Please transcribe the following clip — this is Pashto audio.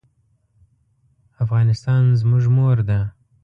افغانستان زموږ مور ده.